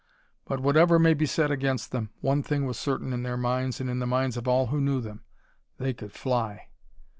But whatever may be said against them, one thing was certain in their minds and in the minds of all who knew them: They could fly!